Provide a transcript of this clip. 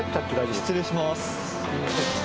失礼します。